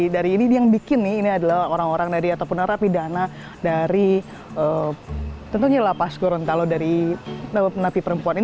dari ini yang dibikin ini adalah orang orang dari ataupun narapidana dari tentunya lapas gorontalo dari napi perempuan